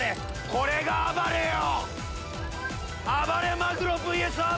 これが「あばれ」よ！